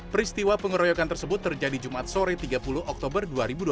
peristiwa pengeroyokan tersebut terjadi jumat sore tiga puluh oktober dua ribu dua puluh